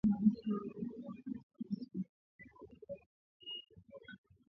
alisema mjumbe wa Umoja wa Afrika, Mohamed Lebatt katika mkutano wa pamoja na waandishi wa habari mjini Khartoum